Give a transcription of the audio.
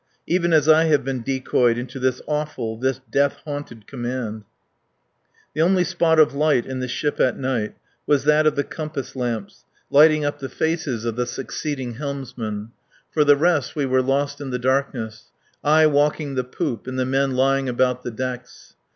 Even as I have been decoyed into this awful, this death haunted command. ..."The only spot of light in the ship at night was that of the compass lamps, lighting up the faces of the succeeding helmsmen; for the rest we were lost in the darkness, I walking the poop and the men lying about the decks.